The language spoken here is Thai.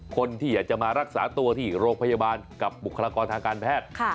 คนที่อยากจะมารักษาตัวที่โรงพยาบาลกับบุคลากรทางการแพทย์